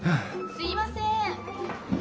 ・すいません。